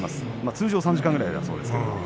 通常は３時間ぐらいだそうです。